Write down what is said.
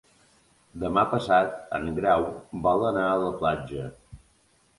Demà passat en Grau vol anar a la platja.